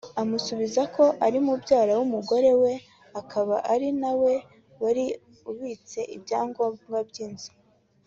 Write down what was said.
amusubiza ko ari mubyara w’umugore we akaba ari na we wari ubitse ibyangombwa by’inzu